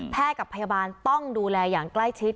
แพทย์กับพยาบาลต้องดูแลอย่างใกล้ทิศ